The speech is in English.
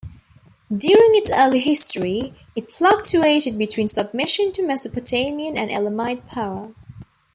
During its early history, it fluctuated between submission to Mesopotamian and Elamite power.